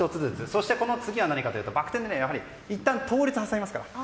そして、この次はバク転はいったん倒立を挟みますから。